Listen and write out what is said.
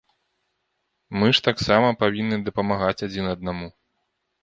Мы ж таксама павінны дапамагаць адзін аднаму.